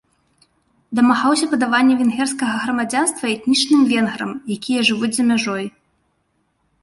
Дамагаўся падавання венгерскага грамадзянствам этнічным венграм, якія жывуць за мяжой.